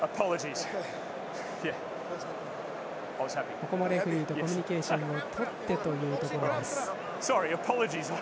ここもレフリーとコミュニケーションをとってというところ。